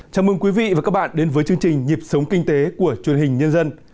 chào mừng quý vị và các bạn đến với chương trình nhịp sống kinh tế của truyền hình nhân dân